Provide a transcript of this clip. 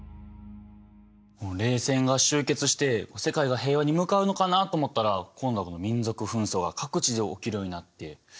冷戦が終結して世界が平和に向かうのかなと思ったら今度は民族紛争が各地で起きるようになって。